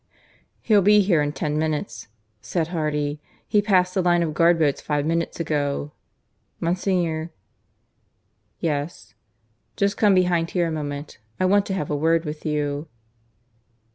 "He'll be here in ten minutes," said Hardy. "He passed the line of guard boats five minutes ago. Monsignor " "Yes?" "Just come behind here a moment. I want to have a word with you."